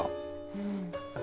うん。